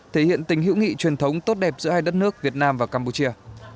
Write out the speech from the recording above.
thể hiện tình hữu nghị truyền thống tốt đẹp giữa hai đất nước việt nam và campuchia